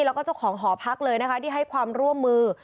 แล้วก็เจ้าของหอพักเลยนะคะที่ให้ความร่วมมือ